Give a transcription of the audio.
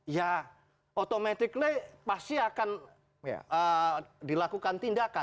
ya automatically pasti akan dilakukan tindakan